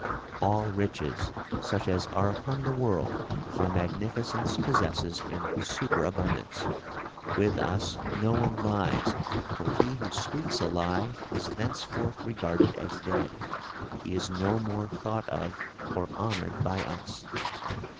"All riches, such as are upon the world, our Magnificence possesses in superabundance. With us no one lies, for he who speaks a lie is thenceforth regarded as dead; he is no more thought of, or honored by us.